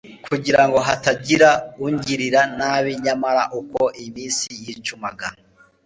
kugira ngo hatagira ungirira nabi nyamara uko iminsi yicumaga